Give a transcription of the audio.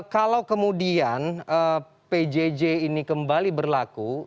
kalau kemudian pjj ini kembali berlaku